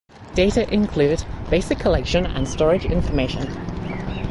Data include basic collection and storage information.